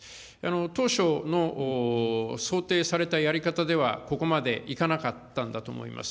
当初の想定されたやり方では、ここまでいかなかったんだと思います。